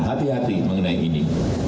hati hati mengenai ini